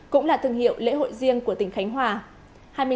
cũng là thương hiệu lễ hội riêng của tỉnh khánh hòa